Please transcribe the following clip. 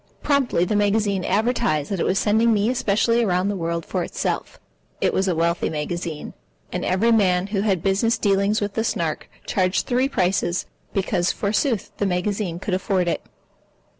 Promptly the magazine advertised that it was sending me especially around the world for itself. It was a wealthy magazine. And every man who had business dealings with the Snark charged three prices because forsooth the magazine could afford it.